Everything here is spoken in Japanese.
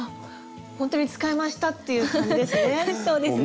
ほんとに使い回したっていう感じですね。